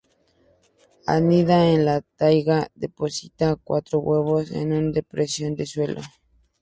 Anida en la taiga, deposita cuatro huevos en una depresión del suelo.